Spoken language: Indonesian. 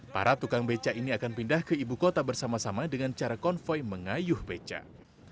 para tukang becak ini akan pindah ke ibu kota bersama sama dengan cara konvoy mengayuh becak